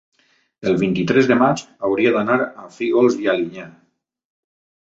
el vint-i-tres de maig hauria d'anar a Fígols i Alinyà.